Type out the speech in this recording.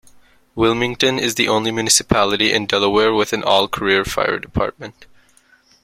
Wilmington is the only municipality in Delaware with an all-career fire department.